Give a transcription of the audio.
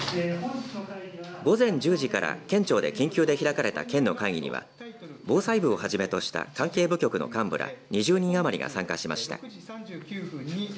午前１０時から県庁で緊急で開かれた県の会議には防災部をはじめとした関係部局の幹部ら２０人余りが参加しました。